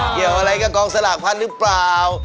เกี่ยวอะไรกับกองสลากพันธุ์หรือเปล่า